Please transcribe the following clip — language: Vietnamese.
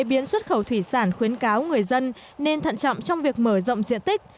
biến xuất khẩu thủy sản khuyến cáo người dân nên thận trọng trong việc mở rộng diện tích